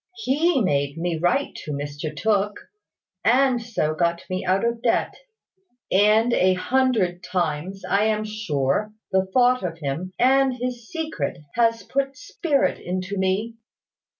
He made me write to Mr Tooke, and so got me out of debt; and a hundred times, I am sure, the thought of him and his secret has put spirit into me.